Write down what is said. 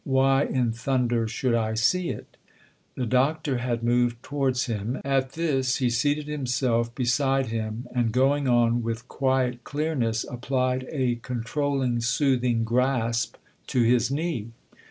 "Why in thun der should I see it ?" The Doctor had moved towards him ; at this he seated himself beside him and, going on with quiet clearness, applied a controlling, soothing grasp to his knee.